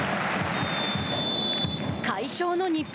快勝の日本。